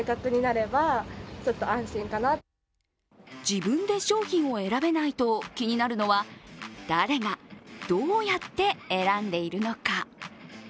自分で商品を選べないと気になるのは、誰がどうやって選んでいるのか。